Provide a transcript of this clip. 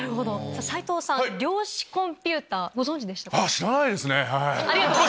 斉藤さん量子コンピューターご存じでしたか？